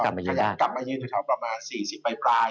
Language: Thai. กลับมายืนครับประมาณ๔๐ปลาย